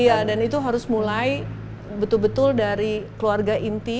iya dan itu harus mulai betul betul dari keluarga inti